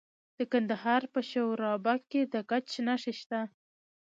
د کندهار په شورابک کې د ګچ نښې شته.